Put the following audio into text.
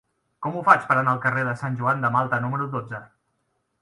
Com ho faig per anar al carrer de Sant Joan de Malta número dotze?